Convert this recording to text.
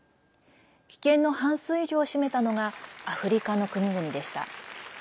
棄権の半数以上を占めたのがアフリカの国々でした。